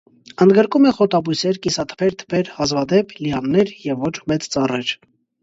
Ընդգրկում է խոտաբույսեր, կիսաթփեր, թփեր, հազվադեպ՝ լիաններ և ոչ մեծ ծառեր։